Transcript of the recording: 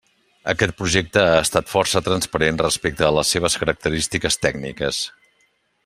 Aquest projecte ha estat força transparent respecte a les seves característiques tècniques.